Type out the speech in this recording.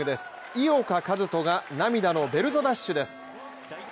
井岡一翔が、涙のベルト奪取です。